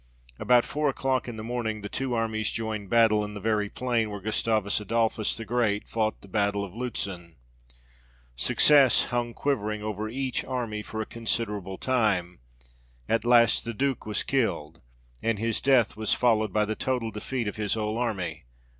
About four o'clock in the morning the two armies joined battle, in the very plain where Gustavus Adolphus the Great fought the battle of Lutzen. Success hung quivering over each army for a considerable time ; at last the Duke was killed, and his death was followed by the total defeat of his whole army.